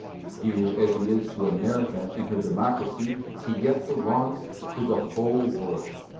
Dear as he is to America and her democracy, he yet belongs to the whole world.